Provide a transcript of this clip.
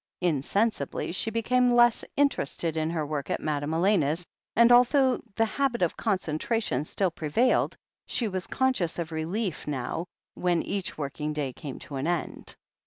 Insensibly she became less interested in her work at Madame Elena's, and although the habit of concentra tion still prevailed, she was conscious of relief now, when each working day came to an end.